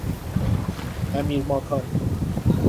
امیرماکان